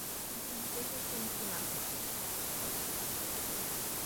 তিনি স্বপ্নে কিছু দেখেছেন কিনা।